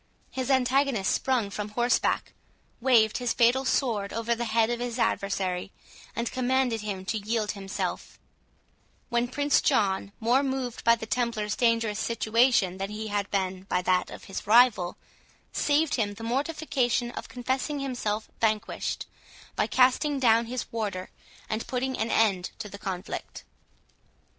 His antagonist sprung from horseback, waved his fatal sword over the head of his adversary, and commanded him to yield himself; when Prince John, more moved by the Templars dangerous situation than he had been by that of his rival, saved him the mortification of confessing himself vanquished, by casting down his warder, and putting an end to the conflict.